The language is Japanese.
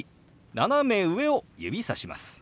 斜め上を指さします。